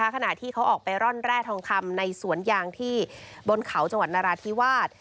ขณะที่เขาออกไปร่อนแร่ทองคำในสวนยางที่บนเขาจังหวัดนราธิวาส